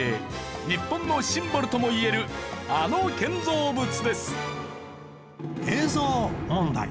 日本のシンボルともいえるあの建造物です。